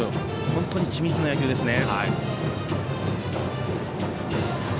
本当に緻密な野球ですね。